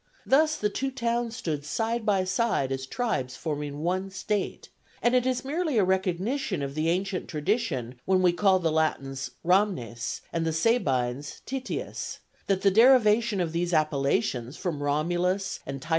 Thus the two towns stood side by side as tribes forming one state, and it is merely a recognition of the ancient tradition when we call the Latins Ramnes, and the Sabines Tities; that the derivation of these appellations from Romulus and T.